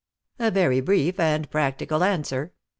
" A very brief and practical answer.